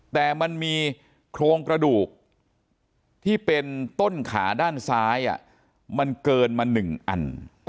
แต่มันมีโครงกระดูกที่เป็นต้นขาด้านซ้ายมันเกินมา๑อัน